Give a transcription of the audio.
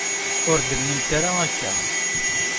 Ur d-tennimt ara akka.